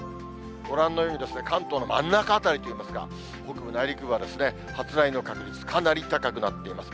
ご覧のように関東の真ん中辺りといいますか、北部内陸部は発雷の確率、かなり高くなっています。